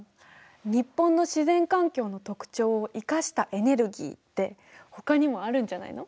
日本の自然環境の特徴を生かしたエネルギーってほかにもあるんじゃないの？